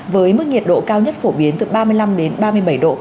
với mức nhiệt độ cao nhất phổ biến từ ba mươi năm đến ba mươi bảy độ